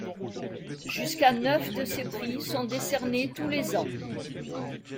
Jusqu'à neuf de ces prix sont décernés tous les ans.